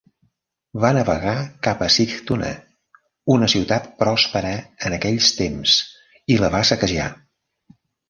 Va navegar cap a Sigtuna, una ciutat pròspera en aquells temps, i la va saquejar.